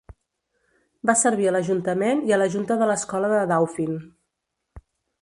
Va servir a l'ajuntament i a la junta de l'escola de Dauphin.